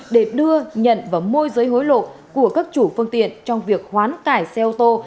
để đưa nhận và môi giới hối lộ của các chủ phương tiện trong việc hoán cải xe ô tô